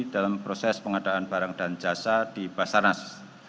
dalam proses pengadaan barang dan jasa di basarnas